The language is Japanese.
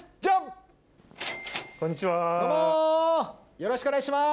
よろしくお願いします。